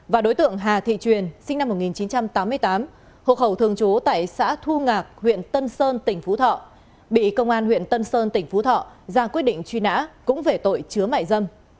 và đối tượng hà thị truyền sinh năm một nghìn chín trăm tám mươi tám hộ khẩu thường trú tại xã thu ngạc huyện tân sơn tỉnh phú thọ bị công an huyện tân sơn tỉnh phú thọ ra quyết định truy nã cũng về tội chứa mại dâm